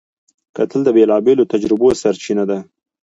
کتل د بېلابېلو تجربو سرچینه ده